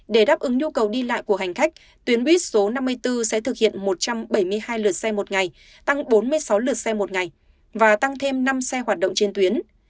để đáp ứng nhu cầu đi lại của hành khách tuyến buýt số năm mươi bốn sẽ thực hiện một trăm bảy mươi hai lượt xe một ngày tăng bốn mươi sáu lượt xe một ngày và tăng thêm năm xe hoạt động trên tuyến